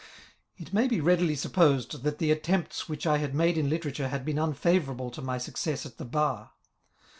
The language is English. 3 It may be readily supposed that the attempts which I had made in literature had been unfavourable to my success at the bar.